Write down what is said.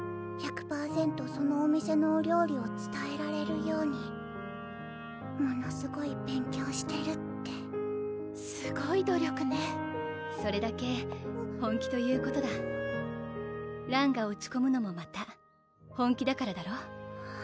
そのお店のお料理をつたえられるようにものすごい勉強してるってすごい努力ねそれだけ本気ということだらんが落ちこむのもまた本気だからだろう？